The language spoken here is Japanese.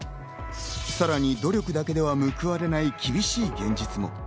さらに努力だけでは報われない厳しい現実も。